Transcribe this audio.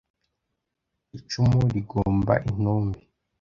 icumu ligomba intumbi